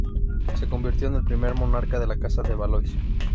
Se convirtió en el primer monarca de la Casa de Valois.